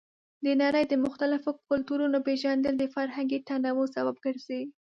د نړۍ د مختلفو کلتورونو پیژندل د فرهنګي تنوع سبب ګرځي.